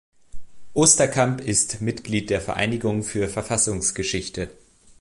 Osterkamp ist Mitglied der Vereinigung für Verfassungsgeschichte.